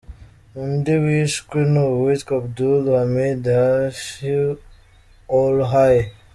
Undi wishwe, ni uwitwa Abdul Hamid Hashi Olhayi.